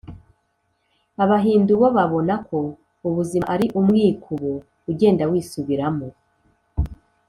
abahindu bo babona ko ubuzima ari umwikubo ugenda wisubiramo,